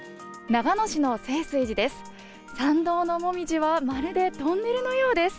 長野市の清水寺です。